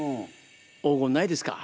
黄金ないですか？